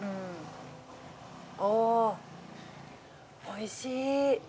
おいしい。